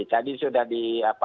tadi sudah di